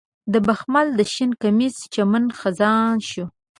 د بخمل د شین کمیس چمن خزان شو